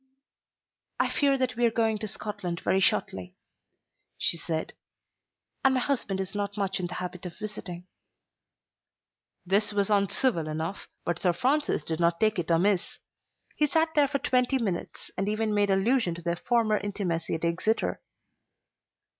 "I fear that we are going to Scotland very shortly," she said; "and my husband is not much in the habit of visiting." This was uncivil enough, but Sir Francis did not take it amiss. He sat there for twenty minutes, and even made allusion to their former intimacy at Exeter.